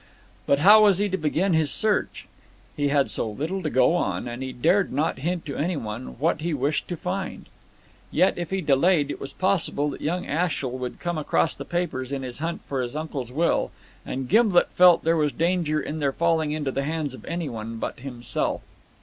But how was he to begin his search? He had so little to go on, and he dared not hint to anyone what he wished to find. Yet, if he delayed, it was possible that young Ashiel would come across the papers in his hunt for his uncle's will, and Gimblet felt there was danger in their falling into the hands of anyone but himself.